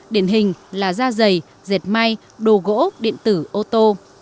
điển hình là da giày dẹt may đồ gỗ điện tử ô tô